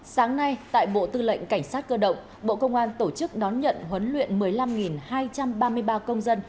sáng nay tại bộ tư lệnh cảnh sát cơ động bộ công an tổ chức đón nhận huấn luyện một mươi năm hai trăm ba mươi ba công dân